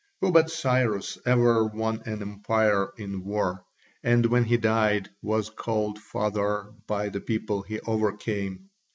Who but Cyrus ever won an empire in war, and when he died was called father by the people he overcame?